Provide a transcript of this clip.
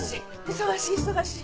忙しい忙しい。